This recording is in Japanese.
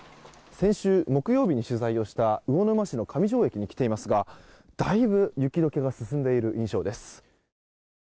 先週木曜日に取材した魚沼市の上条駅に来ていますがだいぶ雪解けが進んでいる印象です。